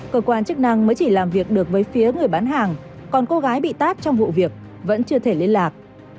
cơ quan chức năng mới chỉ làm việc được với phía người bán hàng còn cô gái bị tát trong vụ việc vẫn chưa thể liên lạc